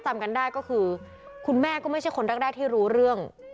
จำกันได้ก็คือคุณแม่ก็ไม่ใช่คนแรกที่รู้เรื่อง